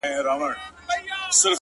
د پریان لوري ـ د هرات او ګندارا لوري ـ